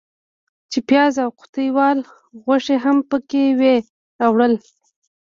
چې پیاز او قوطۍ والا غوښې هم پکې وې راوړل.